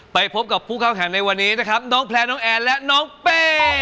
ไปพบกับผู้เข้าแข่งในวันนี้นะครับน้องแพลร์น้องแอนและน้องเป้